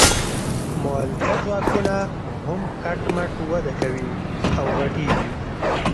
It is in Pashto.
مؤلده ځواکونه هم کټ مټ وده کوي او غټیږي.